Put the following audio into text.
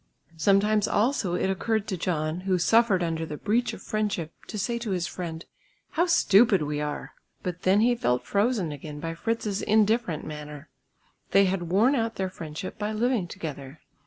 Sometimes also it occurred to John, who suffered under the breach of friendship to say to his friend, "How stupid we are!" But then he felt frozen again by Fritz's indifferent manner. They had worn out their friendship by living together.